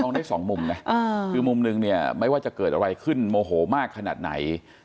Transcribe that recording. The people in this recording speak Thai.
ได้สองมุมนะคือมุมนึงเนี่ยไม่ว่าจะเกิดอะไรขึ้นโมโหมากขนาดไหน